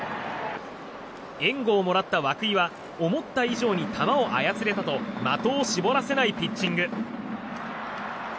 援護をもらった涌井は思った以上に球を操れたと的を絞らせないピッチング。